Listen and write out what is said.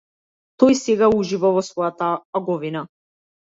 Тој сега ужива во својата аговина.